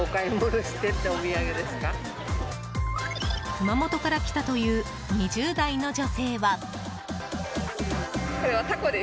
熊本から来たという２０代の女性は。